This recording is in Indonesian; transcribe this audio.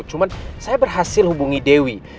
cuma saya berhasil hubungi dewi